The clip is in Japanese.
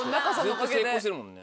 ずっと成功してるもんね。